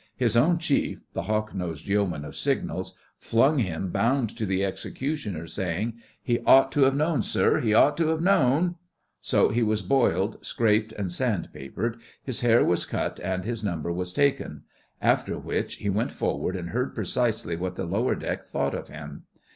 His own chief, the hawk nosed Yeoman of Signals, flung him bound to the executioner, saying: 'He ought to have known, sir; he ought to have known.' So he was boiled, scraped, and sand papered, his hair was cut and his number was taken; after which he went forward and heard precisely what the lower deck thought of him.